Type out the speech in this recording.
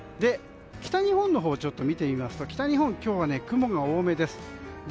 北日本のほうを見てみますと北日本、今日は雲が多めです。